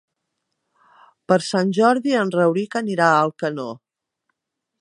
Per Sant Jordi en Rauric anirà a Alcanó.